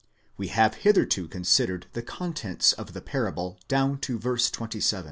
2° We have hitherto considered the contents of the parable down 11 Ut sup.